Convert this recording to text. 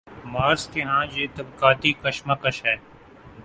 Marks کے ہاں یہ طبقاتی کشمکش ہے۔